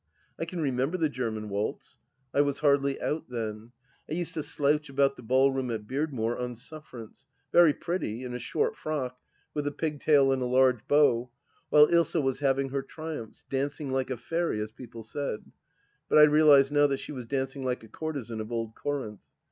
I can remember the German waltz. I was hardly out then. I used to slouch about the ballroom at Beardmore on sufferance — very pretty, in a short frock, with a pigtail and a large bow — while Bsa was having her triumphs, dancing like a fairy, as people said ; but I realize now that she was dancing like a courtesan of old Corinth.